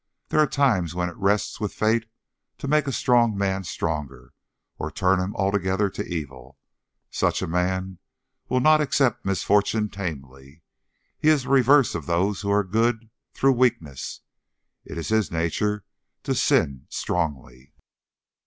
There are times when it rests with fate to make a strong man stronger or turn him altogether to evil. Such a man will not accept misfortune tamely. He is the reverse of those who are good through weakness; it is his nature to sin strongly.